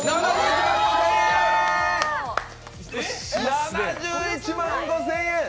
７１万５０００円！